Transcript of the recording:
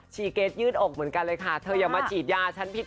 เกรสยืดอกเหมือนกันเลยค่ะเธออย่ามาฉีดยาฉันผิด